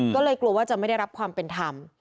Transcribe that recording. ก็เลยกลัวว่าจะไม่ได้รับความเป็นธรรม